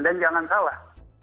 dan jangan salah